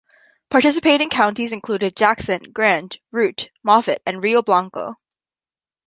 Participating counties included Jackson, Grand, Routt, Moffat and Rio Blanco.